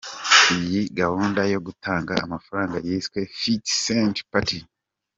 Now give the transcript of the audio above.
Iyi gahunda yo gutanga amafaranga yiswe “Fifty Cent Party”.